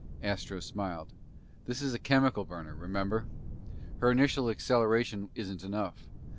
Astro smiled. "This is a chemical burner, remember? Her initial acceleration isn't enough.